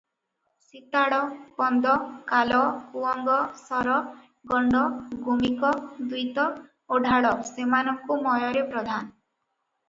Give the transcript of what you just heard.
ସିତାଳ, କନ୍ଦ, କାଲ, କୁଅଙ୍ଗ, ଶର, ଗଣ୍ଡ, ଗୁମିକ, ଦ୍ୱିତ ଓ ଢ଼ାଲ ସେମାନଙ୍କୁ ମୟରେ ପ୍ରଧାନ ।